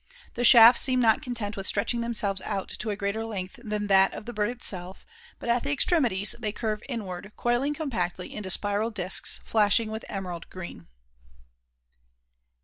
The shafts seem not content with stretching themselves out to a greater length than that of the bird itself, but at the extremities they curve inward coiling compactly into spiral discs flashing with emerald green.